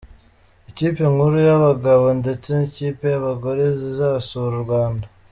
Ikipe nkuru y’abagabo ndetse n’ikipe y’abagore zizasura u Rwanda.